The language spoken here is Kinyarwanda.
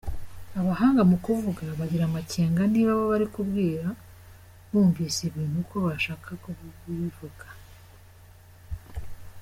Abahanga mu kuvuga bagira amakenga niba abo bari kubwira bumvise ibintu uko bashaka kubivuga.